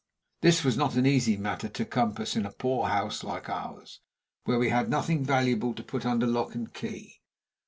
This was not an easy matter to compass in a poor house like ours, where we had nothing valuable to put under lock and key.